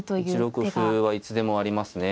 １六歩はいつでもありますね。